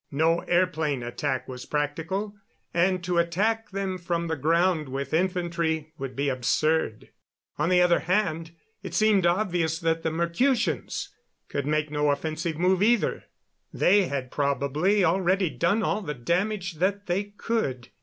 No airplane attack was practical, and to attack them from the ground with infantry would be absurd. On the other hand, it seemed obvious that the Mercutians could make no offensive move either. They had probably already done all the damage that they could.